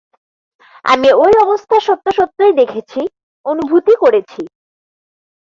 আমি ঐ অবস্থা সত্যসত্যই দেখেছি, অনুভূতি করেছি।